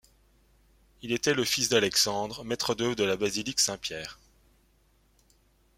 Il était le fils d'Alexandre, maître d'œuvre de la basilique Saint-Pierre.